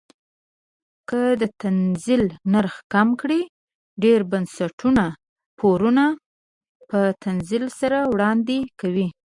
که د تنزیل نرخ کم کړي ډیر بنسټونه پورونه په تنزیل سره وړاندې کوي.